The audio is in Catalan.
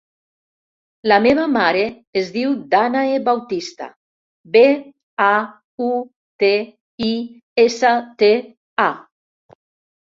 La meva mare es diu Dànae Bautista: be, a, u, te, i, essa, te, a.